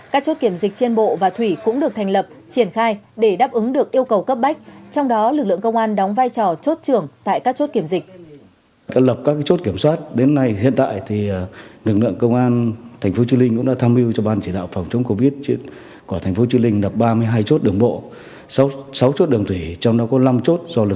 các chốt kiểm dịch trên bộ và thủy cũng được thành lập triển khai để đáp ứng được yêu cầu cấp bách trong đó lực lượng công an đóng vai trò chốt trưởng tại các chốt kiểm dịch